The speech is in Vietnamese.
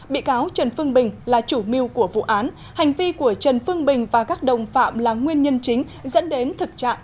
bị cáo trần phương bình là chủ mưu của vụ án hành vi của trần phương bình và các đồng phạm là nguyên nhân chính dẫn đến thực trạng